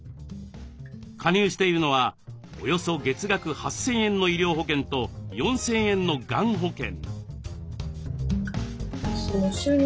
加入しているのはおよそ月額８，０００円の医療保険と４，０００円のがん保険。